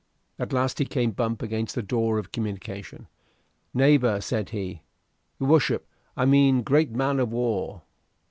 At last he came bump against the door of communication. "Neighbor," said he, "your wuship, I mean, great man of war."